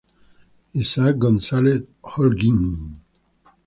Isaac González Holguín.